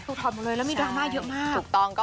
ถูกถอดเลยแล้วมีรามาเยอะมาก